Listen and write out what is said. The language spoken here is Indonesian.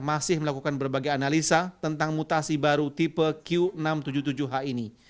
masih melakukan berbagai analisa tentang mutasi baru tipe q enam ratus tujuh puluh tujuh h ini